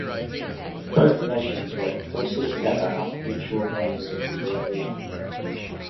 Both nations work closely together as mutual members of the European Union.